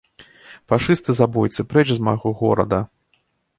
Фашысты-забойцы, прэч з майго горада!